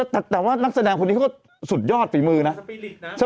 แต่ว่านักแสดงพวกนี้สุดยอดฝีมือน่ะ